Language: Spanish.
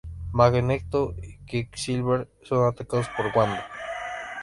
Magneto y Quicksilver son atacados por Wanda.